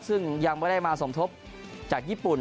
ซึ่งยังไม่ได้มาสมทบจากญี่ปุ่น